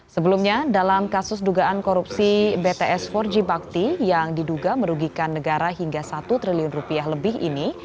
sebelumnya dalam kasus dugaan korupsi bts empat g bakti yang diduga merugikan negara hingga satu triliun rupiah lebih ini